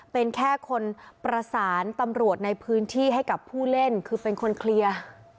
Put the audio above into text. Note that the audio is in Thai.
เป็นแค่คนประสานตำรวจในพื้นที่ให้กับผู้เล่นคือเป็นคนเคลียร์